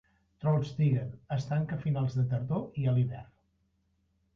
"Trollstigen" es tanca a finals de tardor i a l'hivern.